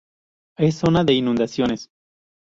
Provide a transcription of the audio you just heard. Es zona de inundaciones.